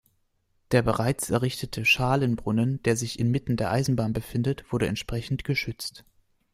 Der bereits errichtete Schalenbrunnen, der sich inmitten der Eisbahn befindet, wurde entsprechend geschützt.